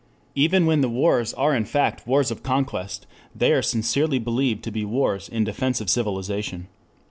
Even when the wars are in fact wars of conquest, they are sincerely believed to be wars in defense of civilization.